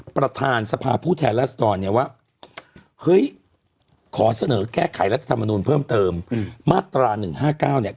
ประธานสภาผู้แทนรัศดรเนี่ยว่าเฮ้ยขอเสนอแก้ไขรัฐธรรมนูลเพิ่มเติมมาตรา๑๕๙เนี่ย